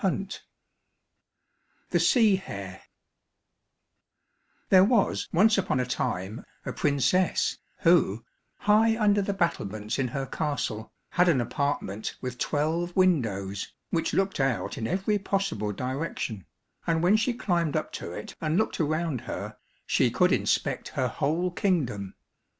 191 The Sea Hare There was once upon a time a princess, who, high under the battlements in her castle, had an apartment with twelve windows, which looked out in every possible direction, and when she climbed up to it and looked around her, she could inspect her whole kingdom.